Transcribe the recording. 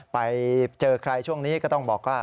ไปเจอใครช่วงนี้ก็ต้องบอกว่า